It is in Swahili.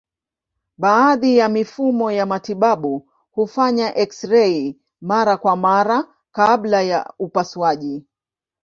Baadhi ya mifumo ya matibabu hufanya eksirei mara kwa mara kabla ya upasuaji.